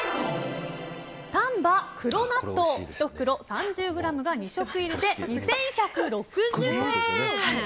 丹波黒納豆、１袋３０ｇが２食入りで２１６０円。